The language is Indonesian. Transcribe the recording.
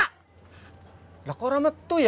kok ada orang yang teringin ya